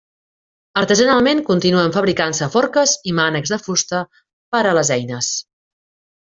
Artesanalment continuen fabricant-se forques i mànecs de fusta per a les eines.